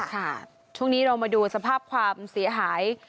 ช่วงนี้เรามาดูสภาพความเสียหาย